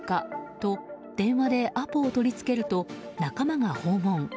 と電話でアポを取り付けると仲間が訪問。